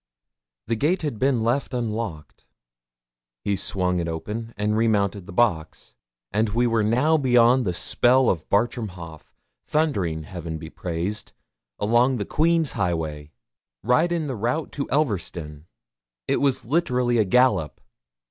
The gate had been left unlocked he swung it open, and remounted the box. And we were now beyond the spell of Bartram Haugh, thundering Heaven be praised! along the Queen's highway, right in the route to Elverston. It was literally a gallop.